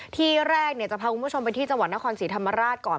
ที่แรกจะพาคุณผู้ชมไปที่จังหวัดนครศรีธรรมราชก่อน